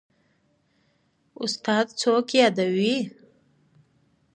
استاده څوک يادوې.